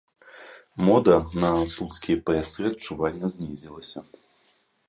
Мода на слуцкія паясы адчувальна знізілася.